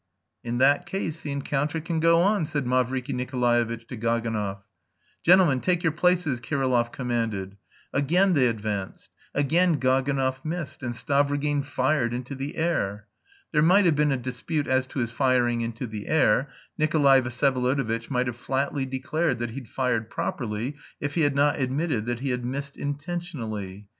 "In that case the encounter can go on," said Mavriky Nikolaevitch to Gaganov. "Gentlemen, take your places," Kirillov commanded. Again they advanced, again Gaganov missed and Stavrogin fired into the air. There might have been a dispute as to his firing into the air. Nikolay Vsyevolodovitch might have flatly declared that he'd fired properly, if he had not admitted that he had missed intentionally.